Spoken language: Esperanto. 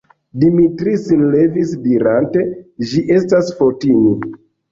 Dimitri sin levis dirante: «Ĝi estas Fotini! »